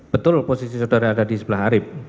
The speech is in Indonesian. betul posisi saudara ada di sebelah arief